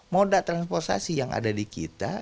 moda transportasi yang ada di kita